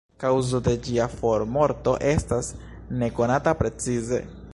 Kaŭzo de ĝia formorto estas ne konata precize.